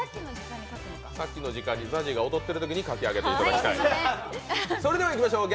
さっきの時間にＺＡＺＹが踊っているときに書き上げていただきたい。